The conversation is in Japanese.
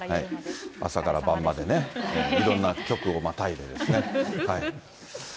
朝から晩までね、いろんな局をまたいでですね。